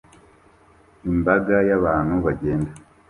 Imbaga y'abantu bagenda